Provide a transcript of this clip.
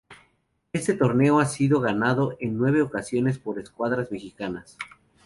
Este torneo ha sido ganado en nueve ocasiones por escuadras mexicanas.